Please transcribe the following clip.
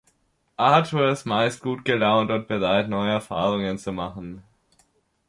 Arthur ist meist gut gelaunt und bereit, neue Erfahrungen zu machen.